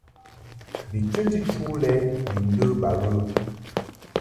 Bi chəti chu lɛ ni ndə ba ghə.